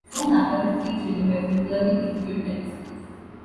Soon after, his three children were similarly executed in this place.